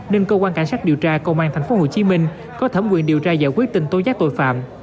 nên cơ quan cảnh sát điều tra công an tp hcm có thẩm quyền điều tra giải quyết tình tố giác tội phạm